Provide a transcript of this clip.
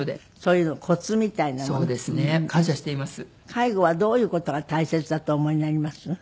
介護はどういう事が大切だとお思いになります？